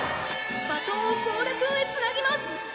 「バトンを剛田くんへつなぎます！」